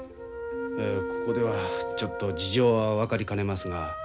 ここではちょっと事情は分かりかねますが。